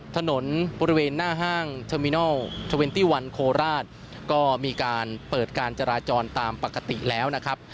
ถนนบริเวณหน้าห้างเทอมมินัล๒๑โคราชก็มีการเปิดการจราจรตามปกติแล้วนะครับ